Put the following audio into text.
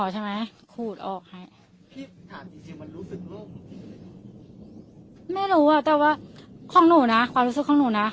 ถามจริงจริงมันรู้สึกโลกไม่รู้อ่ะแต่ว่าของหนูน่ะความรู้สึกของหนูน่ะ